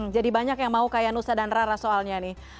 jadi banyak yang mau kayak nusa dan rara soalnya nih